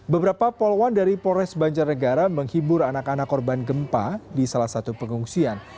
beberapa poluan dari polres banjarnegara menghibur anak anak korban gempa di salah satu pengungsian